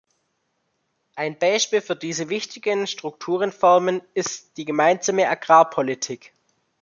Ein Beispiel für diese wichtigen Strukturreformen ist die gemeinsame Agrarpolitik.